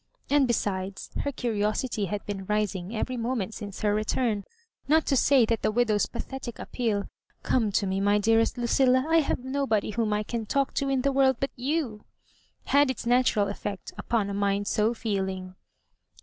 And besides, her curiosity had been rising every moment since her return ; not to say that the widow's pathetic appeal, " Come to me, my dearest Lucilla. I have nobody whom I can talk to in the world but you I" had its natu ral effect upon a mind so feeling.